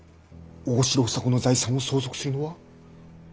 大城房子の財産を相続するのは。